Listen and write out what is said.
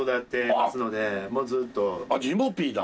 あっジモピーだ。